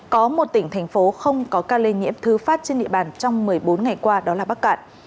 có một tỉnh thành phố không có ca lây nhiễm thứ phát trên địa bàn trong một mươi bốn ngày qua đó là bắc cạn